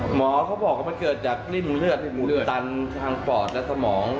หมอเขาบอกว่ามันเกิดจากริ่มเลือดตันทางปอดและสมอง